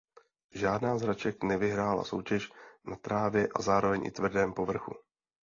Žádná z hráček nevyhrála soutěž na trávě a zároveň i tvrdém povrchu.